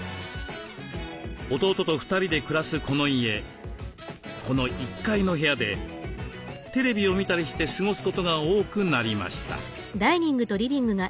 弟と２人で暮らすこの家この１階の部屋でテレビを見たりして過ごすことが多くなりました。